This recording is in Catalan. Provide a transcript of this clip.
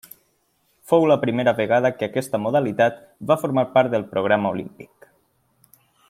Fou la primera vegada que aquesta modalitat va formar part del programa olímpic.